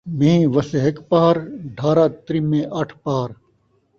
مین٘ہ وسّے ہک پہر ، ڈھارا ترمّے اٹھ پہر